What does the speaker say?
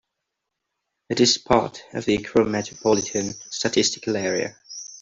It is part of the Akron Metropolitan Statistical Area.